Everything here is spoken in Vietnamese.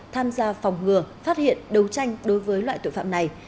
tham gia phòng ngừa phát hiện đấu tranh đối với loại tội phạm này